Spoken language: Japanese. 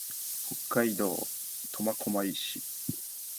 北海道苫小牧市